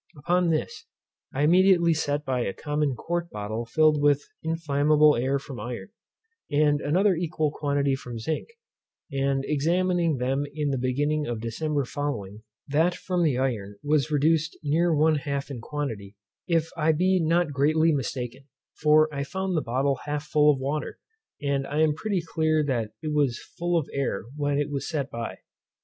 Upon this, I immediately set by a common quart bottle filled with inflammable air from iron, and another equal quantity from zinc; and examining them in the beginning of December following, that from the iron was reduced near one half in quantity, if I be not greatly mistaken; for I found the bottle half full of water, and I am pretty clear that it was full of air when it was set by.